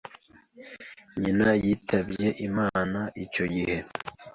nyina yitabye Imana icyo gihe